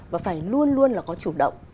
và phải luôn luôn là có chủ động